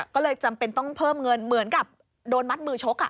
ก็เลยจำเป็นต้องเพิ่มเงินเหมือนกับโดนมัดมือชก